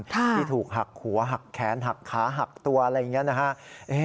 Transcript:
ที่ถูกหักหัวหักแขนหักขาหักตัวอะไรอย่างนี้นะฮะ